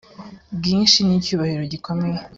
bwinshi n icyubahiro gikomeye